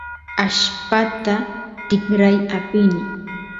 allpata tikray apini